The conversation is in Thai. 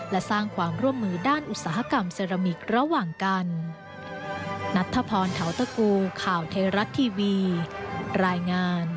และสร้างความร่วมมือด้านอุตสาหกรรมเซรามิกระหว่างกัน